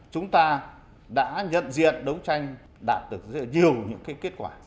chúng ta đã nhận diện đấu tranh đạt được rất nhiều những kết quả